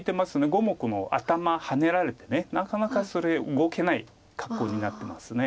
５目の頭ハネられてなかなかそれ動けない格好になってます。